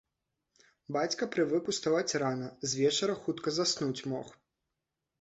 Бацька прывык уставаць рана, звечара хутка заснуць мог.